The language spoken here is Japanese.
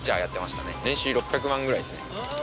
年収６００万ぐらいですね。